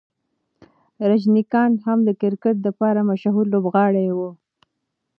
راجنیکانټ هم د کرکټ د پاره مشهوره لوبغاړی و.